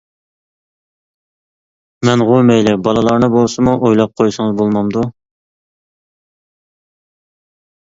مەنغۇ مەيلى، بالىلارنى بولسىمۇ ئويلاپ قويسىڭىز بولمامدۇ.